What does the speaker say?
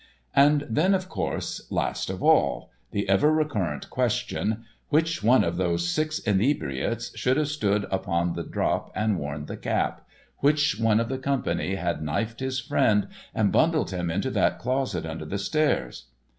And then, of course, last of all, the ever recurrent question, which one of those six inebriates should have stood upon the drop and worn the cap—which one of the company had knifed his friend and bundled him into that closet under the stairs?